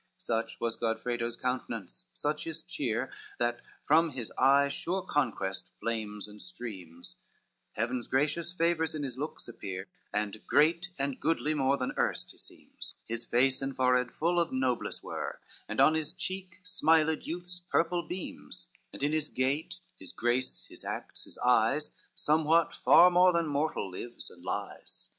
VII Such was Godfredo's countenance, such his cheer, That from his eye sure conquest flames and streams, Heaven's gracious favors in his looks appear, And great and goodly more than erst he seems; His face and forehead full of noblesse were, And on his cheek smiled youth's purple beams, And in his gait, his grace, his acts, his eyes, Somewhat, far more than mortal, lives and lies.